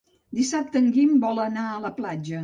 Dissabte en Guim vol anar a la platja.